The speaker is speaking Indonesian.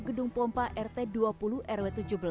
gedung pompa rt dua puluh rw tujuh belas